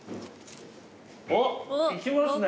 おっいきますね。